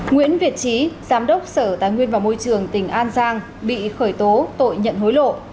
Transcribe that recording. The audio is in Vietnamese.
nguyễn việt trí giám đốc sở tài nguyên và môi trường tỉnh an giang bị khởi tố tội nhận hối lộ